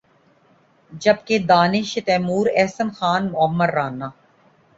جب کہ دانش تیمور، احسن خان، معمر رانا